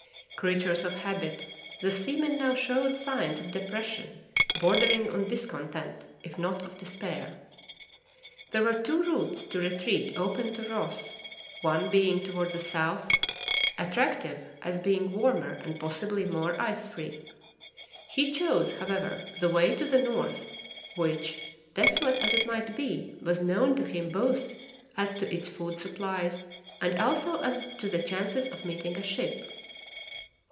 Creatures of habit, the sea men now showed signs of depression bordering on dis content if not of despair. There were two routes of retreat open to Ross, one being toward the south, attractive as being warmer Boothia Peninsula and North Somerset. and possibly more ice free. He chose, however, the way to the north, which, desolate as it might be, was known to him both as to its food supplies and also as to the chances of meeting a ship.